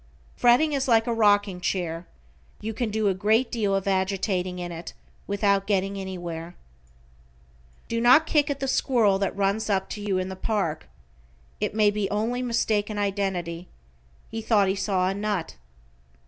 Fretting is like a rocking chair, you can do a great deal of agitating in it without getting anywhere. Do not kick at the squirrel that runs up to you in the park; it may be only mistaken identity he thought he saw a nut.